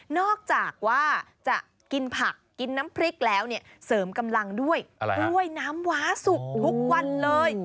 นอกจากว่าจะกินผักกินน้ำพริกแล้วเนี่ยเสริมกำลังด้วยกล้วยน้ำว้าสุกทุกวันเลย